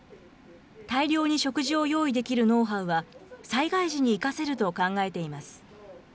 大量に食事を用意できるノウハウは災害時に生かせると考えています。